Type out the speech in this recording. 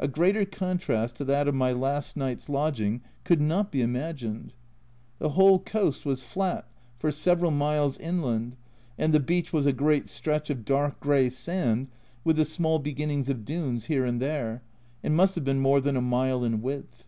A greater contrast to that of my last night's lodging could not be imagined. The whole coast was flat for several miles inland, and the beach was a great stretch of dark grey sand with the small beginnings of dunes here and there, and must have been more than a mile in width.